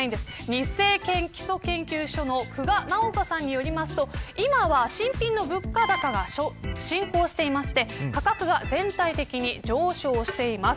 ニッセイ基礎研究所の久我尚子さんによりますと今は、新品の物価高が進行していまして価格が全体的に上昇しています。